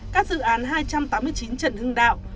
các dự án hai trăm tám mươi chín trần hưng đạo